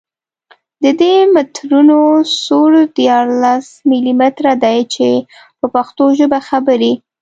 د دي مترونو سور دیارلس ملي متره دی په پښتو ژبه خبرې.